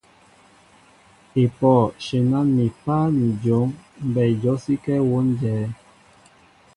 Epoh ! shenan mi páá ni jon, mbɛy jɔsíŋkɛɛ wón jɛέ.